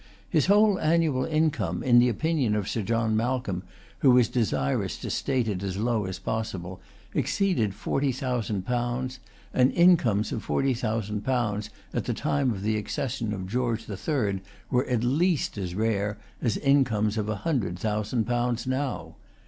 His whole annual income, in the opinion of Sir John Malcolm, who is desirous to state it as low as possible, exceeded forty thousand pounds; and incomes of forty thousand pounds at the time of the accession of George the Third were at least as rare as incomes of a hundred thousand pounds now.